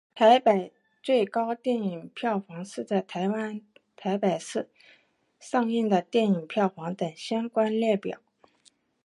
台北最高电影票房是在台湾台北市上映的电影票房等相关列表。